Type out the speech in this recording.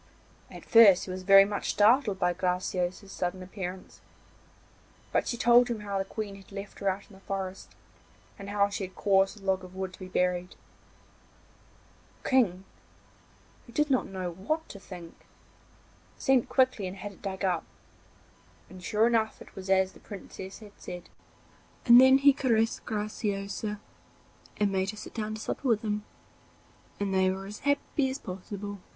At first he was very much startled by Graciosa's sudden appearance, but she told him how the Queen had left her out in the forest, and how she had caused a log of wood to be buried. The King, who did not know what to think, sent quickly and had it dug up, and sure enough it was as the Princess had said. Then he caressed Graciosa, and made her sit down to supper with him, and they were as happy as possible.